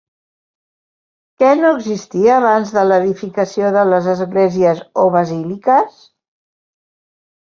Què no existia abans de l'edificació de les esglésies o basíliques?